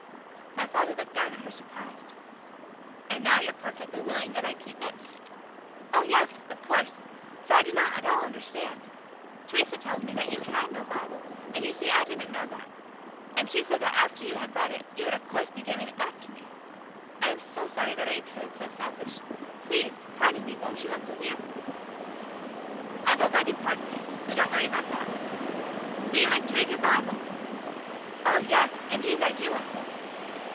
My father looked down at her, surprised. "And now, you're perfectly willing that I keep it?" "Oh, yes, of course, for I did not at all understand. Teresa tells me that you had no Bible, and you see I didn't know that. And she said that after you had read it, you would of course be giving it back to me. I am so sorry that I appeared so selfish. Please, pardon me, won't you, uncle dear?" "I've already pardoned you, so don't worry about that. So you like to read your Bible?" "Oh, yes; indeed I do, uncle."